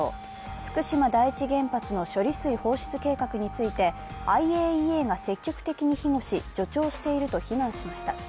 福島第一原発の処理水放出計画についてＩＡＥＡが積極的に庇護し助長していると非難しました。